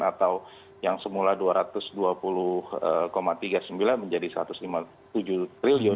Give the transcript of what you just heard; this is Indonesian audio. atau yang semula dua ratus dua puluh tiga puluh sembilan menjadi rp satu ratus lima puluh tujuh triliun